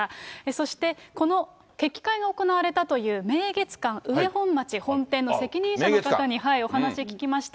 そして、この決起会が行われたという明月館上本町本店の責任者の方にお話聞きました。